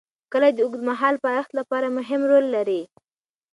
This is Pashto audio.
کلي د اوږدمهاله پایښت لپاره مهم رول لري.